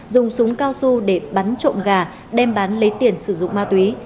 dùng súng cao su để bắn trộm gà đem bán lấy tiền sử dụng ma túy